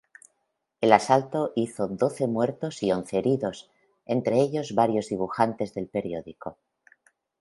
El asalto hizo doce muertos y once heridos, entre ellos varios dibujantes del periódico.